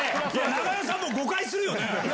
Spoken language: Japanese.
長与さんも誤解するよね。